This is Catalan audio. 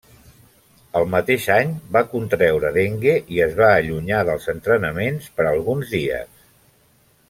El mateix any, va contreure dengue i es va allunyar dels entrenaments per alguns dies.